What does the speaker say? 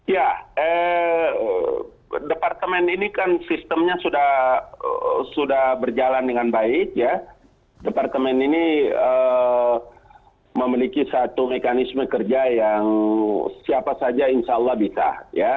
ya departemen ini kan sistemnya sudah berjalan dengan baik ya departemen ini memiliki satu mekanisme kerja yang siapa saja insya allah bisa